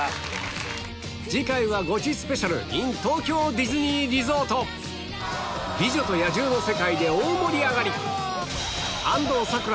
次回はゴチスペシャルｉｎ東京ディズニーリゾート『美女と野獣』の世界で大盛り上がり！